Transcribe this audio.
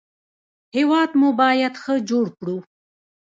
هېواد مو باید ښه جوړ کړو